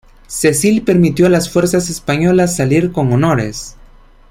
Cecil permitió a las fuerzas españolas salir con honores.